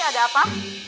halo ki ada apa